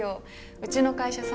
うちの会社さ